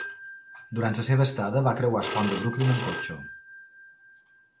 Durant la seva estada, va creuar el pont de Brooklyn amb cotxe.